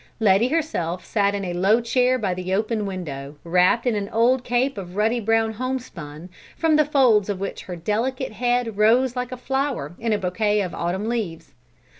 Letty herself sat in a low chair by the open window wrapped in an old cape of ruddy brown homespun, from the folds of which her delicate head rose like a flower in a bouquet of autumn leaves.